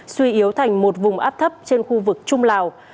suy yếu thành một vùng áp thấp trên khu vực trung lào